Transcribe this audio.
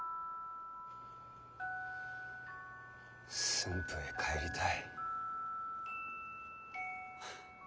駿府へ帰りたい。